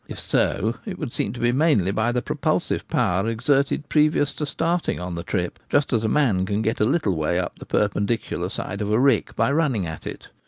If so, it would seem to be mainly by the pro pulsive power exerted previous to starting on the trip — just as a man can get a little way up the perpendi cular side of a rick by running at it.